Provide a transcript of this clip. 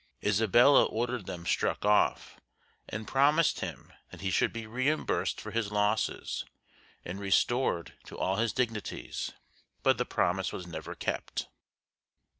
Isabella ordered them struck off, and promised him that he should be reimbursed for his losses and restored to all his dignities; but the promise was never kept.